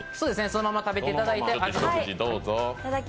そのまま食べていただいて。